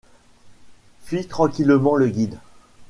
fit tranquillement le guide.